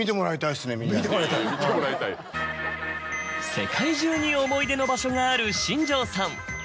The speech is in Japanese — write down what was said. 世界中に思い出の場所がある新庄さん。